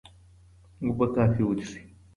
اوبه کافي وڅښئ.